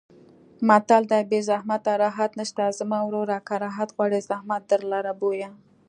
متل دی: بې زحمته راحت نشته زما وروره که راحت غواړې زحمت درلره بویه.